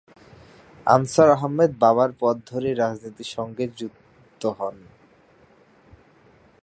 Answer Ahmed বাবার পথ ধরেই রাজনীতির সাথে যুক্ত হন।